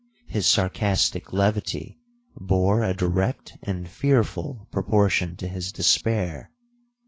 His sarcastic levity bore a direct and fearful proportion to his despair.